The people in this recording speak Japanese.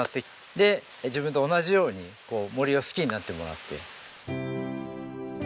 で自分と同じように森を好きになってもらって。